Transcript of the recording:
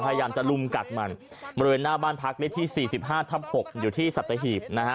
พยายามจะลุมกัดมันบริเวณหน้าบ้านพักเลขที่๔๕ทับ๖อยู่ที่สัตหีบนะฮะ